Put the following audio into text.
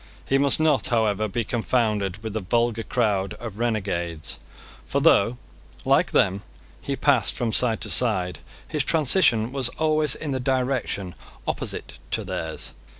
He must not, however, be confounded with the vulgar crowd of renegades. For though, like them, he passed from side to side, his transition was always in the direction opposite to theirs.